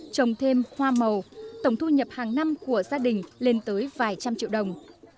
trồng thêm hoa màu tổng thu nhập hàng năm của gia đình lên tới vài trăm triệu đồng